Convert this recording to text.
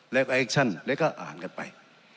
และแอคชั่นและก็อ่านกันไป